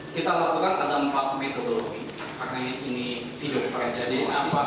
kita langsung maksudkan terlebih dahulu apakah tersebut ada perubahan